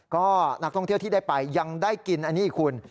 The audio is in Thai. ก็นักท่องเที่ยวที่ได้ไปยังได้กินอันนี้คุณ